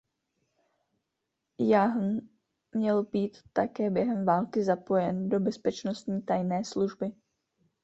Jahn měl být také během války zapojen do bezpečnostní tajné služby.